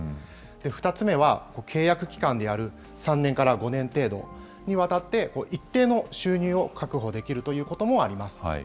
２つ目は契約期間である３年から５年程度にわたって、一定の収入を確保できるということもあります。